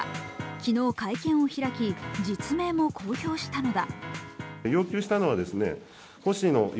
昨日、会見を開き、実名も公表したのだ。